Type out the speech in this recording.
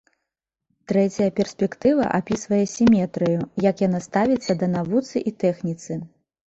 Трэцяя перспектыва апісвае сіметрыю, як яна ставіцца да навуцы і тэхніцы.